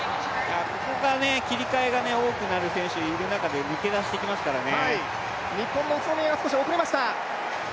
ここが切り替えが多くなる選手が多くなる中で、抜け出してきますからね。